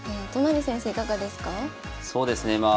そうですよね。